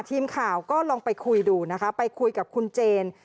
ทีมข่าวก็ลองไปคุยดูนะคะไปคุยกับคุณเจน